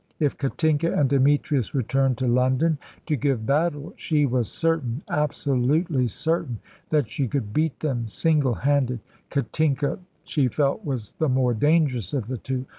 If Katinka and Demetrius returned to London to give battle she was certain, absolutely certain, that she could beat them single handed. Katinka she felt was the more dangerous of the two.